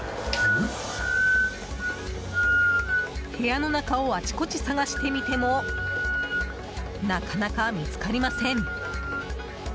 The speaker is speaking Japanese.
部屋の中をあちこち探してみてもなかなか見つかりません。